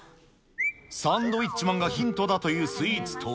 サンドウィッチマンがヒントだというスイーツとは。